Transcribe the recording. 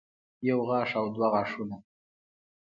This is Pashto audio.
يو غاښ او دوه غاښونه